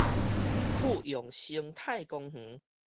富陽生態公園